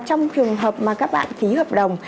trong trường hợp mà các bạn ký hợp đồng